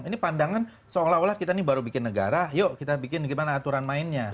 ini pandangan seolah olah kita ini baru bikin negara yuk kita bikin gimana aturan mainnya